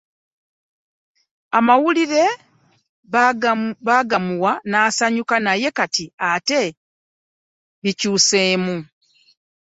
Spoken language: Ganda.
Amawulire bagamuwa n'asanyuka naye kati ate bikyuseemu .